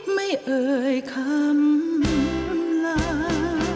ไม่เอ่ยคำลา